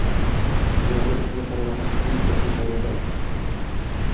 Shunday qilib, ushbu qarama-qarshilikning siyosiy tabiati